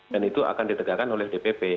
dan itu akan ditegakkan oleh dpp